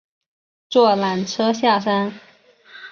坐缆车下山